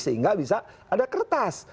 sehingga bisa ada kertas